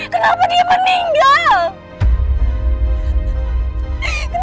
kenapa dia meninggal